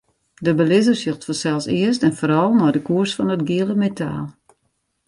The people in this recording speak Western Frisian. De belizzer sjocht fansels earst en foaral nei de koers fan it giele metaal.